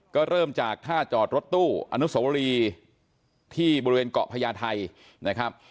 ก็เริ่มจากท่าจอดรถตู้อนุสวรีที่บริเวณเกาะพญาไทยนะครับ